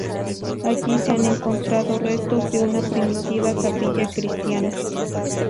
Allí se han encontrado restos de una primitiva capilla cristiana.